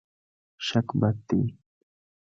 شک بد دی.